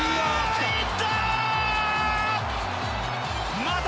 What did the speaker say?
行った！